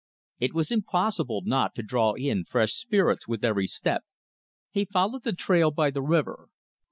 It was impossible not to draw in fresh spirits with every step. He followed the trail by the river.